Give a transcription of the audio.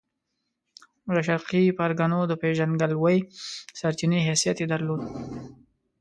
د شرقي پرګنو د پېژندګلوۍ سرچینې حیثیت یې درلود.